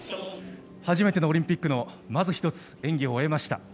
初めてのオリンピックのまず１つ演技を終えました。